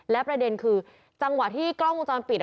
และประเด็นคือจังหวะที่กล้องวงจรปิด